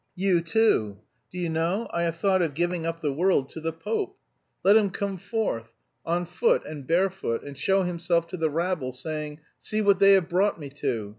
"You, too. Do you know, I have thought of giving up the world to the Pope. Let him come forth, on foot, and barefoot, and show himself to the rabble, saying, 'See what they have brought me to!'